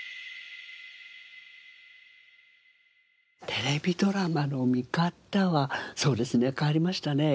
テレビドラマの観かたはそうですね変わりましたねやっぱり。